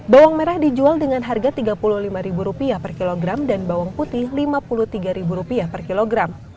bawang merah dijual dengan harga rp tiga puluh lima per kilogram dan bawang putih rp lima puluh tiga per kilogram